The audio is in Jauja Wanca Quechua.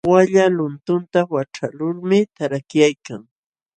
Walla luntunta waćhaqlulmi tarakyaykan.